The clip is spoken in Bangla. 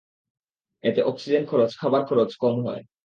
এতে অক্সিজেন খরচ, খাবার খরচ কম হয়।